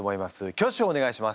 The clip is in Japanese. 挙手をお願いします。